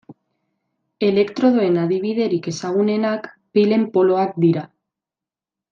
Elektrodoen adibiderik ezagunenak pilen poloak dira.